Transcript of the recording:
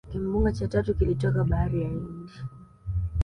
Kimbunga cha tatu kilitoka bahari ya hindi